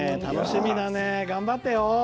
楽しみだね頑張ってよ！